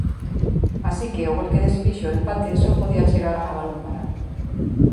Así que o gol que desfixo o empate só podía chegar a balón parado.